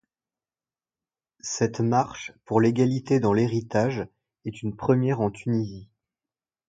Cette marche pour l'égalité dans l'héritage est une première en Tunisie.